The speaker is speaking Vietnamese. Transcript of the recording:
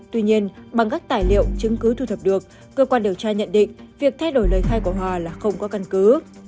tuy nhiên bằng các tài liệu chứng cứ thu thập được cơ quan điều tra nhận định việc thay đổi lời khai của hòa là không có căn cứ